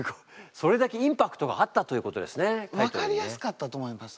それだけインパクトがあったということですね。